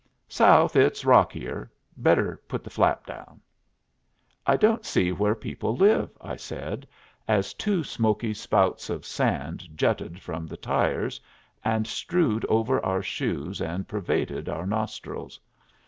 "South it's rockier. Better put the flap down." "I don't see where people live," I said, as two smoky spouts of sand jetted from the tires and strewed over our shoes and pervaded our nostrils.